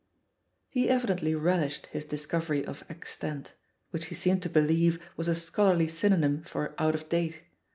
He evidently relished his dis covery of "extant," which he seemed to believe was a scholarly synonym for "out of date."